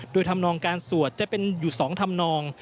โดยทำนองการสวดจะเป็นอยู่๒ธรรมนอง